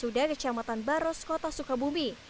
ketika mereka kecamatan baros kota sukabumi